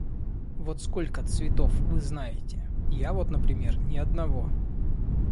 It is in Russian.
Вот сколько цветов вы знаете? Я вот, например, ни одного.